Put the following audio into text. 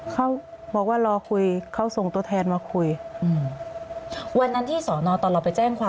ก็หลายคนเนี่ยค่ะ